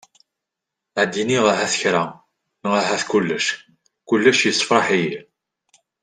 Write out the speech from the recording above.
Ad iniɣ ahat kra! Neɣ ahat kulec, kulec yessefraḥ-iyi.